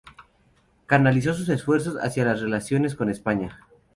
Canalizó sus esfuerzos hacia las relaciones con España.